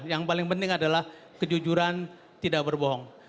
yang paling penting adalah kejujuran tidak berbohong